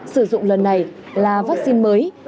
sử dụng lần này là vaccine mới